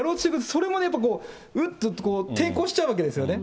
それもね、うっと、抵抗しちゃうわけですよね。